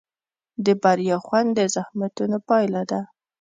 د بریا خوند د زحمتونو پایله ده.